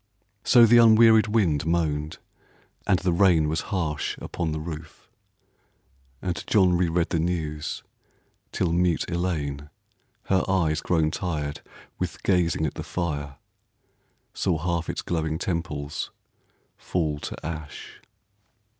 So the unwearied wind Moaned, and the rain was harsh upon the roof, And John reread the news, till mute Elaine, Her eyes grown tired with gazing at the fire, Saw half its glowing temples fall to ash.